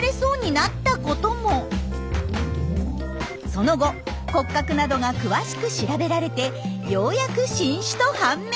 その後骨格などが詳しく調べられてようやく新種と判明！